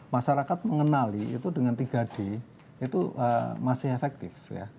masyarakat mengenali itu dengan tiga d itu masih efektif